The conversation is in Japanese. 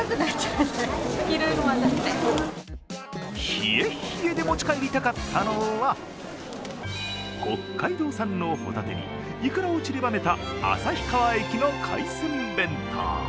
冷え冷えで持ち帰りたかったのは北海道産のホタテに、いくらをちりばめた旭川駅の海鮮弁当。